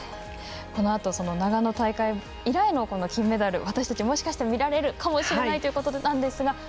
このあと長野大会以来の金メダル私たち、もしかしたら見られるかもしれないということですが。